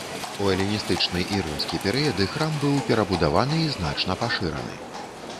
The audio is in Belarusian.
У эліністычны і рымскі перыяды храм быў перабудаваны і значна пашыраны.